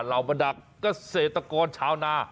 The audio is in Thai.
เรามดักเกษตรกรชาวนา